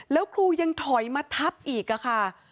แล้วครูยังถอยมาทับอีกค่ะ